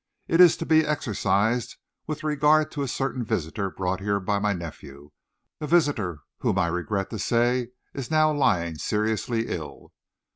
It is to be exercised with regard to a certain visitor brought here by my nephew, a visitor whom I regret to say is now lying seriously ill."